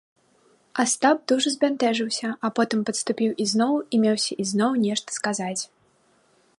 Астап дужа збянтэжыўся, а потым падступіў ізноў і меўся ізноў нешта сказаць.